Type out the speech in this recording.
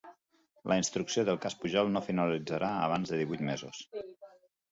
La instrucció del cas Pujol no finalitzarà abans de divuit mesos